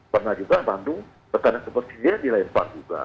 pernah juga bandung bertandang ke persedia dilempar juga